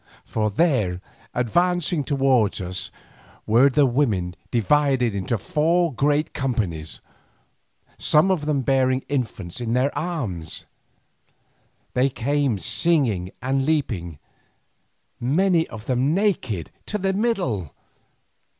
For there, advancing towards us, were the women divided into four great companies, some of them bearing infants in their arms. They came singing and leaping, many of them naked to the middle.